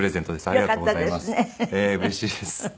ありがとうございます。